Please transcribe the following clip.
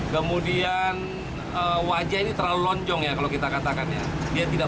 ciri cirinya adalah perawakan sedang